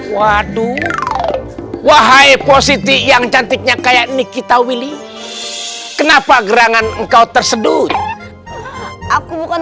waduh wahai positif yang cantiknya kayak nikita willy kenapa gerangan engkau tersedut aku bukan